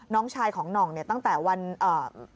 น้องชายของหน่องเนี่ยตั้งแต่วันเอ่อ